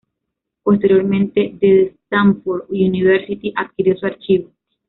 Posteriormente The Stanford University adquirió su archivo.